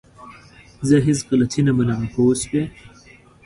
زه هيڅ غلطي نه منم! پوه شوئ!